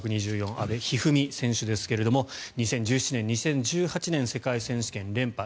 阿部一二三選手ですが２０１７年、２０１８年世界選手権連覇。